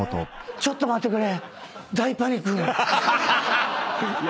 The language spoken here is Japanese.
⁉ちょっと待ってくれ！